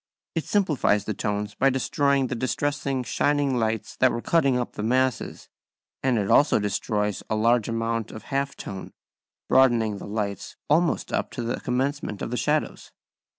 It simplifies the tones by destroying the distressing shining lights that were cutting up the masses; and it also destroys a large amount of half tone, broadening the lights almost up to the commencement of the shadows.